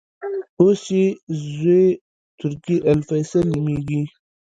اوس یې زوې ترکي الفیصل نومېږي.